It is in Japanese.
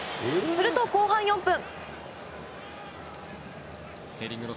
すると、後半開始４分。